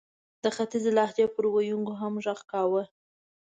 د ختیځې لهجې پر ویونکو هم ږغ کاوه.